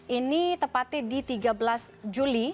ini tepatnya di tiga belas juli